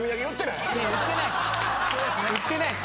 売ってないっす。